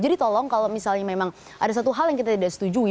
jadi tolong kalau misalnya memang ada satu hal yang kita tidak setujui